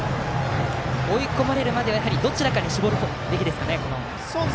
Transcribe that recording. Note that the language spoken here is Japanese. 追い込まれるまではどちらかに絞るべきですかね